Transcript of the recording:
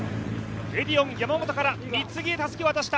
エディオン山本から三ツ木へたすきを渡した。